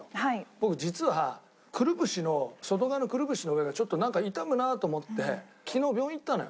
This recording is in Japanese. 僕実はくるぶしの外側のくるぶしの裏がちょっとなんか痛むなと思って昨日病院行ったのよ。